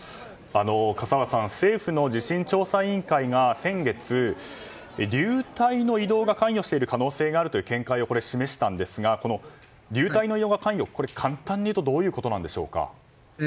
笠原さん政府の地震調査委員会が先月、流体の移動が関与している可能性があるという見解を示したんですが流体の移動が関与というのは簡単に言うとどういうことなんでしょうか？